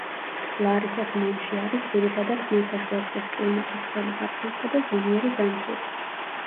ლარისას ნომში არის ძირითადად ხმელთაშუა ზღვის კლიმატი, ცხელი ზაფხულითა და ზომიერი ზამთრით.